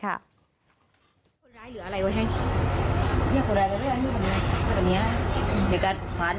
คนร้ายเหลืออะไรไว้ให้คนร้ายเหลืออะไรไว้นี่แบบนี้อยากการพัน